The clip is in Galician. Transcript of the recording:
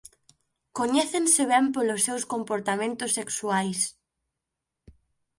Coñécense ben polos seus comportamentos sexuais.